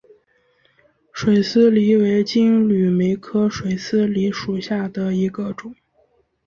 水丝梨为金缕梅科水丝梨属下的一个种。